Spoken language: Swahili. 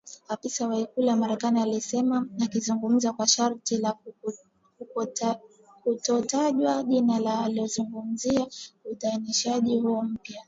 afisa wa ikulu ya Marekani alisema akizungumza kwa sharti la kutotajwa jina ili aweze kuzungumzia uidhinishaji huo mpya